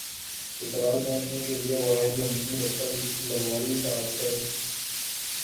چترال پہنچنے کے لئے واحد زمینی راستہ لواری ٹاپ ہے ۔